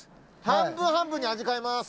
半分半分に味変えます。